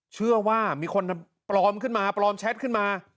เชื่อว่ามีคนปลอมขึ้นมาปลอมแชทขึ้นมา